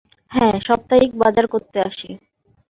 হ্যাঁ, সাপ্তাহিক বাজার করতে আসি।